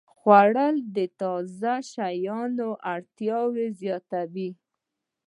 خوړل د تازه شیانو اړتیا زیاتوي